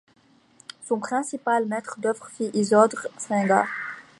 Son principal maître d'œuvre fut Isidore Singer.